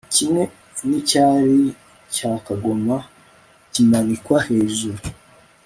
Kimwe nicyari cya kagoma kimanikwa hejuru